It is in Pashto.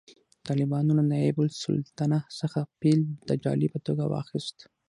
طالبانو له نایب السلطنه څخه فیل د ډالۍ په توګه واخیست